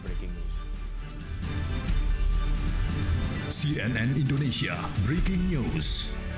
sampai jumpa di cnn indonesia breaking news